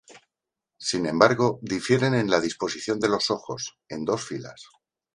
Sin embargo, difieren en la disposición de los ojos, en dos filas.